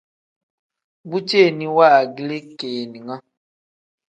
Bu ceeni wangilii keninga.